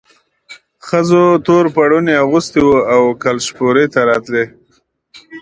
ښځو تور پوړوني اغوستي وو او کلشپورې ته راتلې.